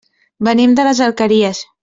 Venim de les Alqueries.